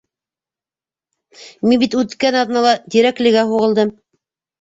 Мин бит үткән аҙнала Тирәклегә һуғылдым.